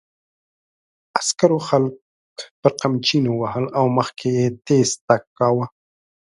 عسکرو خلک پر قمچینو وهل او مخکې یې تېز تګ کاوه.